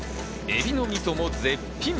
エビのみそも絶品。